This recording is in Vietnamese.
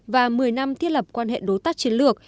và một mươi năm thiết lập quan hệ đối tác chiến lược